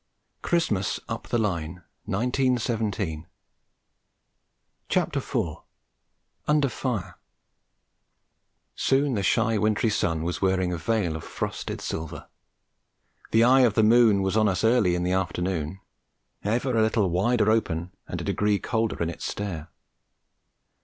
CHRISTMAS UP THE LINE (1917) UNDER FIRE Soon the shy wintry sun was wearing a veil of frosted silver. The eye of the moon was on us early in the afternoon, ever a little wider open and a degree colder in its stare.